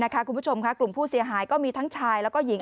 คุณผู้ชมค่ะกลุ่มผู้เสียหายก็มีทั้งชายแล้วก็หญิง